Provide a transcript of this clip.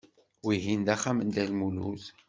Wihin d axxam n Dda Lmulud.